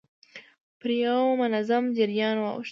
پر يوه منظم جريان واوښت.